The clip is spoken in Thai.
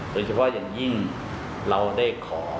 โดยเฉพาะอย่างยิ่งเราได้ขอ